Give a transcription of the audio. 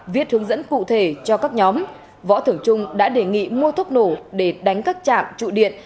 viết hướng dẫn cụ thể cho các nhóm võ thường trung đã đề nghị mua thuốc nổ để đánh các trạm trụ điện